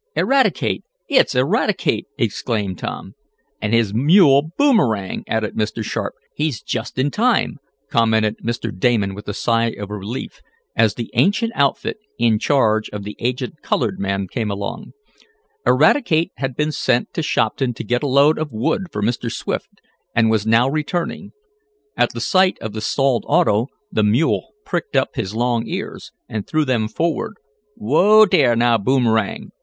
"Eradicate! It's Eradicate!" exclaimed Tom. "And his mule, Boomerang!" added Mr. Sharp. "He's just in time!" commented Mr. Damon with a sigh of relief, as the ancient outfit, in charge of the aged colored man, came along. Eradicate had been sent to Shopton to get a load of wood for Mr. Swift, and was now returning. At the sight of the stalled auto the mule pricked up his long ears, and threw them forward. "Whoa dar, now, Boomerang!"